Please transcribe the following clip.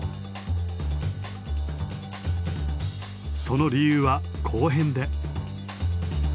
その理由は後編で。